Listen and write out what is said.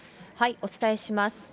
お伝えします。